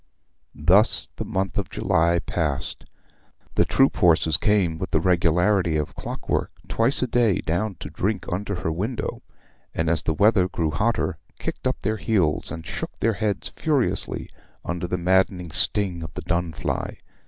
Thus the month of July passed. The troop horses came with the regularity of clockwork twice a day down to drink under her window, and, as the weather grew hotter, kicked up their heels and shook their heads furiously under the maddening sting of the dun fly.